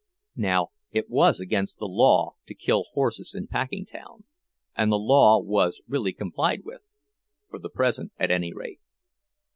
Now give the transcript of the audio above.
Now it was against the law to kill horses in Packingtown, and the law was really complied with—for the present, at any rate.